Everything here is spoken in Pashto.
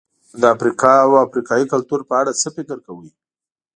د افریقا او افریقایي کلتور په اړه څه فکر کوئ؟